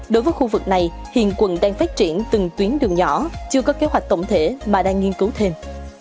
đối với khu vực này hiện quận đang phát triển từng tuyến đường nhỏ chưa có kế hoạch tổng thể mà đang nghiên cứu thêm